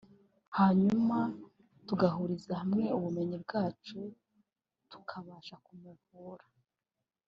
hanyuma tugahuriza hamwe ubumenyi bwacu tukabasha kumuvura